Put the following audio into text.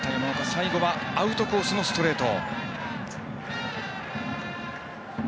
最後はアウトコースのストレート。